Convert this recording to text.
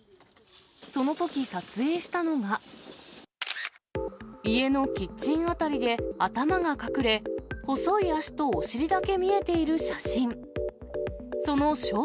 そのとき撮影したのが、家のキッチン辺りで頭が隠れ、細い足とお尻だけ見えている写真。